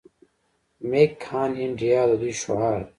میک ان انډیا د دوی شعار دی.